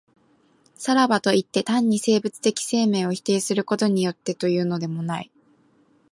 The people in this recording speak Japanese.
さらばといって、単に生物的生命を否定することによってというのでもない。